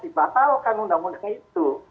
dibatalkan undang undang itu